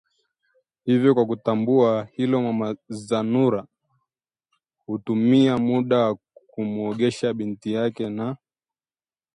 hivyo kwa kulitambua hilo mama Zanura hutumia muda wa kumuogesha binti yake na